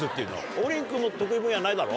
王林君も得意分野ないだろ？